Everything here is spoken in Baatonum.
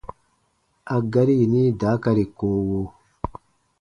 A gari yini daakari koowo :